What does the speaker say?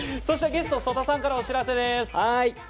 そしてゲストの曽田さんからお知らせです。